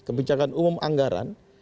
kebijakan umum anggaran